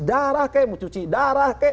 darah mau cuci darah